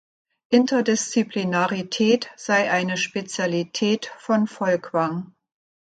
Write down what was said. Interdisziplinarität sei eine Spezialität von Folkwang.